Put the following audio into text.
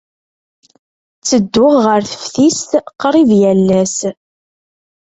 Ttedduɣ ɣer teftist qrib yal ass.